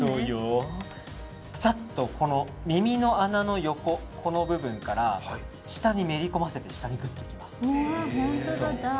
さっと耳の穴の横の部分から下にめり込ませて下にぐっといきます。